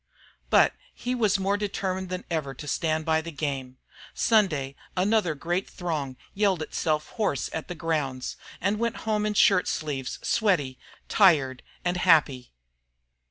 But he was more determined than ever to stand by the game. Sunday another great throng yelled itself hoarse at the grounds, and went home in shirt sleeves, sweaty, tired, and happy.